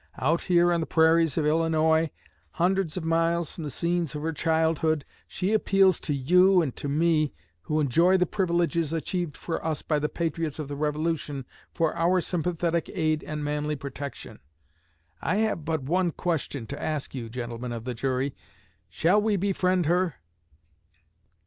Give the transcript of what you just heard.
Out here on the prairies of Illinois, hundreds of miles from the scenes of her childhood, she appeals to you and to me who enjoy the privileges achieved for us by the patriots of the Revolution for our sympathetic aid and manly protection. I have but one question to ask you, gentlemen of the jury. Shall we befriend her?"